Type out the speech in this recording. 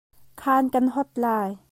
Khan kan hawt lai.